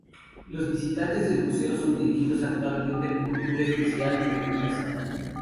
Los visitantes del museo son dirigidos actualmente por tour especial por única cita.